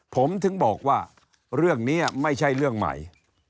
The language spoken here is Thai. ผมถึงบอกว่าเรื่องนี้ไม่ใช่เรื่องใหม่